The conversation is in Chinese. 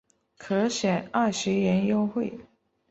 可享二十元优惠